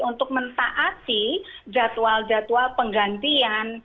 untuk mentaati jadwal jadwal penggantian